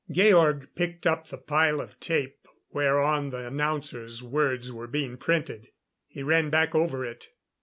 Georg picked up the pile of tape whereon the announcer's words were being printed. He ran back over it.